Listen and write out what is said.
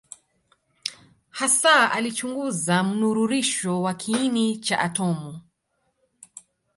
Hasa alichunguza mnururisho wa kiini cha atomu.